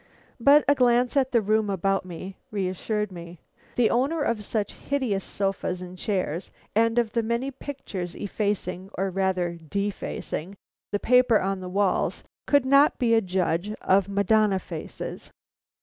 But a glance at the room about me reassured me. The owner of such hideous sofas and chairs and of the many pictures effacing or rather defacing the paper on the walls, could not be a judge of Madonna faces.